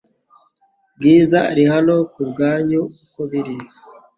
Bwiza ari hano kubwanyu uko biri